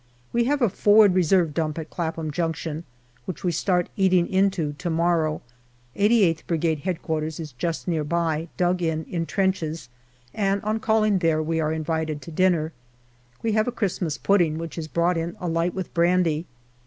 We have a forward reserve dump at Clapham Junction, which we start eating into to morrow. 88th Brigade H.Q. is just near by, dug in in trenches, and on calling there we are invited to dinner. We have a Christmas pudding, which is brought in alight with brandy.